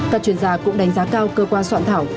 các chuyên gia cũng đánh giá cao cơ quan soạn thảo